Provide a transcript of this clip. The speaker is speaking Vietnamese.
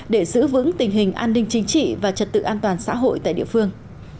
để giữ vững tình hình an ninh chính trị và trật tự an toàn xã hội tại địa phương